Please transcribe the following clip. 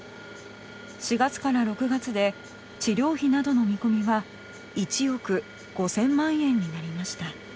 ４月から６月で治療費などの見込みは１億５０００万円になりました。